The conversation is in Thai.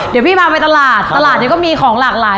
เดี๋ยวพี่พาไปตลาดตลาดเนี่ยก็มีของหลากหลาย